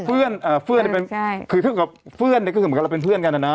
เพื่อนก็คือเหมือนกันเราเป็นเพื่อนกันนะ